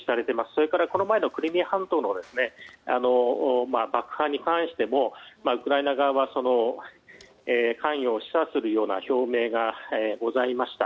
それからこの前のクリミア半島の爆破に関してもウクライナ側は関与を示唆するような表明がございました。